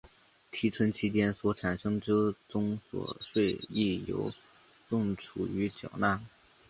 提存期间所产生之综所税亦由宋楚瑜缴纳。